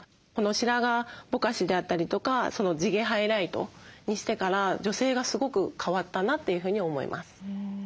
この白髪ぼかしであったりとか地毛ハイライトにしてから女性がすごく変わったなというふうに思います。